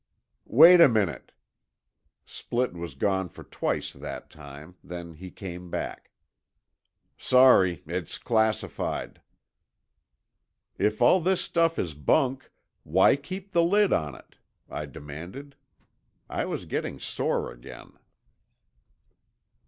"Wait a minute." Splitt was gone for twice that time, then he carne back. "Sorry, it's classified." "If all this stuff is bunk, why keep the lid on it?" I demanded. I was getting sore again.